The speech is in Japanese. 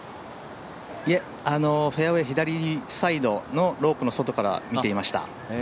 フェアウエー左サイドのロープの外から見ていました。